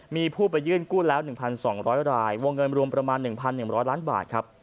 มีผู้ไปยื่นกู้แล้ว๑๒๐๐รายวงเงินรวมประมาณ๑๑๐๐ล้านบาทครับ